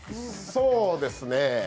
そうですねぇ。